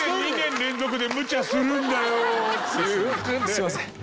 すみません。